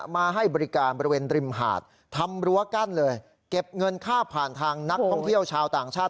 มาให้บริการบริเวณริมหาดทำรั้วกั้นเลยเก็บเงินค่าผ่านทางนักท่องเที่ยวชาวต่างชาติ